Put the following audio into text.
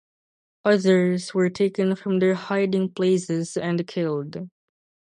Others were taken from their hiding places and killed.